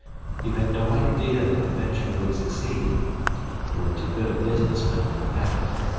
You had no idea that the venture would succeed. You are too good a businessman for that.